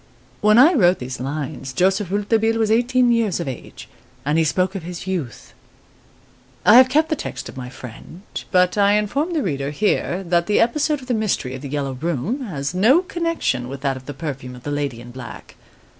* When I wrote these lines, Joseph Rouletabille was eighteen years of age, and he spoke of his "youth." I have kept the text of my friend, but I inform the reader here that the episode of the mystery of "The Yellow Room" has no connection with that of the perfume of the lady in black.